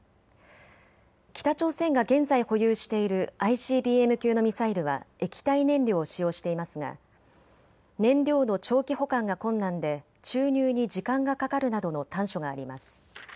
北朝鮮が現在、保有しているＩＣＢＭ級のミサイルは液体燃料を使用していますが燃料の長期保管が困難で注入に時間がかかるなどの短所があります。